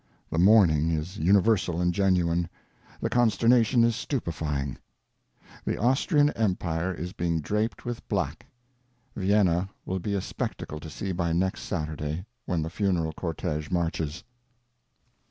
The mourning is universal and genuine, the consternation is stupefying. The Austrian Empire is being draped with black. Vienna will be a spectacle to see by next Saturday, when the funeral cortege marches."